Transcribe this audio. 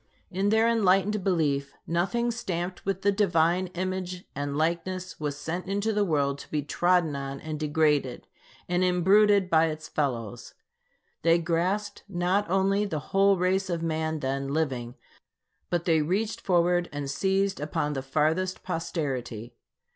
In their enlightened belief, nothing stamped with the Divine image and likeness was sent into the world to be trodden on and degraded, and imbruted by its fellows. They grasped not only the whole race of man then living, but they reached forward and seized upon the farthest posterity.